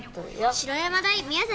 白山大宮崎